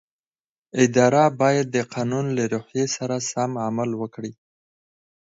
اداره باید د قانون له روحیې سره سم عمل وکړي.